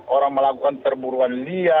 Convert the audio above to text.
orang melakukan terburuan liar